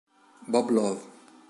Bob Love